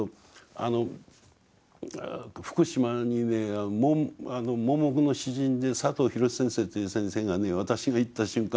福島にね盲目の詩人で佐藤浩先生っていう先生がね私が行った瞬間